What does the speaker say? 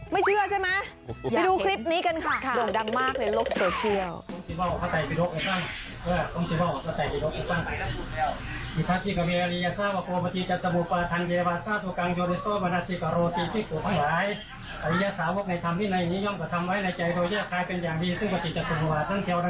ไม่เชื่อใช่ไหมไปดูคลิปนี้กันค่ะ